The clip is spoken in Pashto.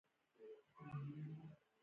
دا پیري ده او که طالع ده.